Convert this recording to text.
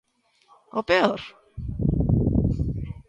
O peor?